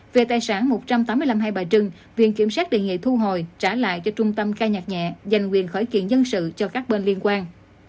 về tài sản một trăm tám mươi năm hai bà trưng viện kiểm sát đề nghị thu hồi trả lại cho trung tâm ca nhạc nhẹ dành quyền khởi kiện dân sự cho các bên liên quan